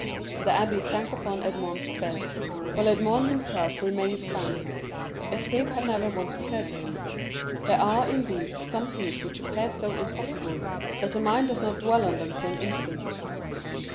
The abbé sank upon Edmond's bed, while Edmond himself remained standing. Escape had never once occurred to him. There are, indeed, some things which appear so impossible that the mind does not dwell on them for an instant.